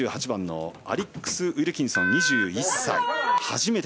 ２８番のアリックス・ウィルキンソン２１歳。